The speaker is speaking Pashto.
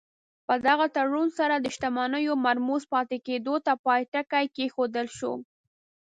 په دغه تړون سره د شتمنیو مرموز پاتې کېدلو ته پای ټکی کېښودل شو.